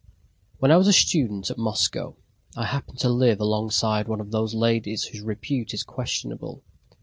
When I was a student at Moscow I happened to live alongside one of those ladies whose repute is questionable.